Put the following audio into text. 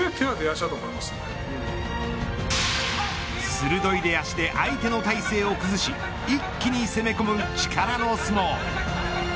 鋭い出足で相手の体勢を崩し一気に攻め込む力の相撲。